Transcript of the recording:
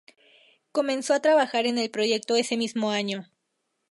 Comenzó a trabajar en el proyecto ese mismo año.